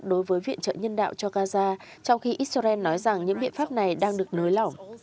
đối với viện trợ nhân đạo cho gaza trong khi israel nói rằng những biện pháp này đang được nới lỏng